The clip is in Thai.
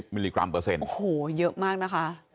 มิลลิกรัมเปอร์เซ็นต์โอ้โหเยอะมากนะคะ